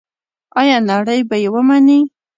آیا نړۍ به یې ومني؟